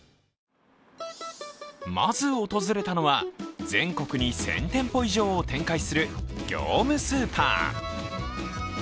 まず訪れたのは全国に１０００店舗以上を展開する業務スーパー。